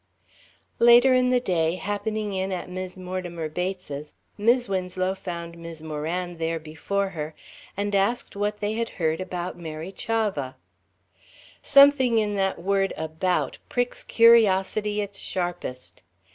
Later in the day, happening in at Mis' Mortimer Bates's, Mis' Winslow found Mis' Moran there before her, and asked what they had heard "about Mary Chavah." Something in that word "about" pricks curiosity its sharpest.